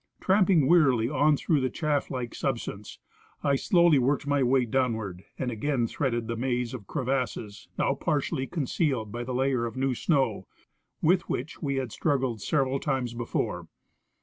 Tramping wearily on through the chaff like substance, I slowty worked my way downward, and again threaded the maze of crevasses, now par tially concealed by the layer of new snow, with which we had struggled several times before.